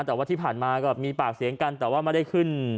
แต่ว่าที่ผ่านมาก็มีปากเสียงกันแต่ว่าไม่ได้ขึ้น